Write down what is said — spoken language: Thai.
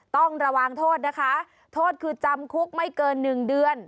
ต้องระวังโทษนะคะโทษคือจำคุกไม่เกิน๑เดือน